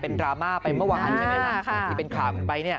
เป็นดราม่าไปเมื่อวานใช่ไหมครับอย่างที่เป็นข่าวอีกไปเนี่ย